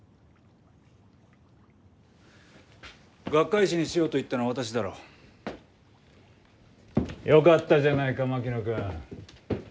学会誌にしようと言ったのは私だろう？よかったじゃないか槙野君。